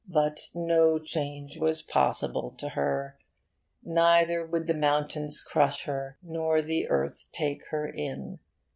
But no change was possible to her. Neither would the mountains crush her, nor the earth take her in.